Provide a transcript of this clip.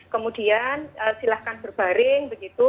kemudian silahkan berbaring begitu